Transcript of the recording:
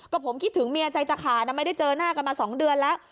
ก็ผมคิดถึงเมียใจจะขาดนะไม่ได้เจอหน้ากันมา๒เดือนแล้ว